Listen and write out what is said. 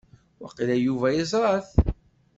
Waqila Yuba yeẓra-t.